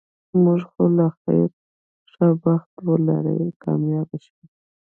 موږ ځو له خیره، ښه بخت ولرې، کامیاب شه.